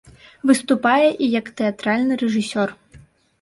Выступае і як тэатральны рэжысёр.